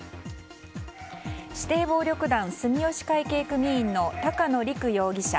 指定暴力団住吉会系組員の高野陸容疑者。